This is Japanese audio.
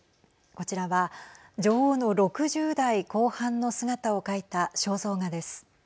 こちらは女王の６０代後半の姿を描いた肖像画です。